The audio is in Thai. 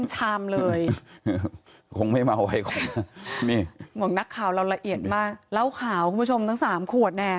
เห็นมากเล่าข่าวคุณผู้ชมทั้ง๓ขวดแน่